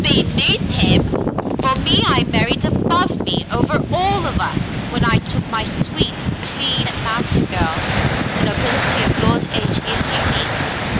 " Beneath him ! For me, I married above me, over all of us, when I took my sweet, clean mountain girl. The nobility of Lord H is unique.